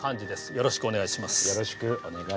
よろしくお願いします。